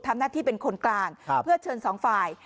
ทำหน้าที่เป็นคนกลางเพื่อเชิญสองฝ่าย